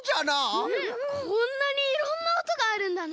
こんなにいろんなおとがあるんだね！